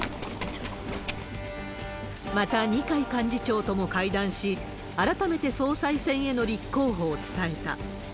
また、二階幹事長とも会談し、改めて総裁選への立候補を伝えた。